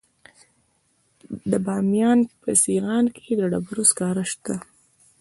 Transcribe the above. د بامیان په سیغان کې د ډبرو سکاره شته.